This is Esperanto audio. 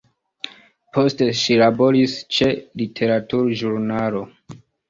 Poste ŝi laboris ĉe literaturĵurnalo.